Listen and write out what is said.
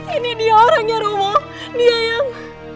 ini dia orangnya romo dia yang